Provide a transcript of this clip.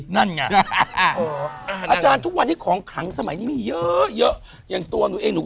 นั่นอาจารย์อยู่อันนี้เยอะเยอะเยอะอย่างตัวหนูเอง